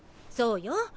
そうよ！